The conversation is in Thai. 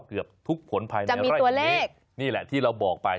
เกือบทุกผลภายในไร่วันนี้นี่แหละที่เราบอกไป